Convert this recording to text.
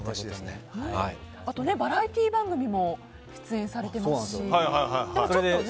あと、バラエティー番組も出演されてますし。